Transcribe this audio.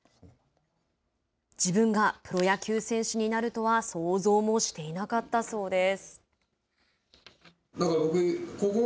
自分がプロ野球選手になるとは想像もしていなかったそうです。